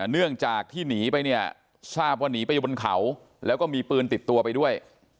เนื่องจากที่หนีไปเนี่ยทราบว่าหนีไปอยู่บนเขาแล้วก็มีปืนติดตัวไปด้วย